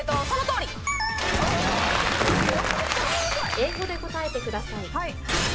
［英語で答えてください］